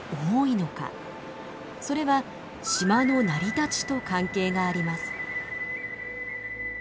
それは島の成り立ちと関係があります。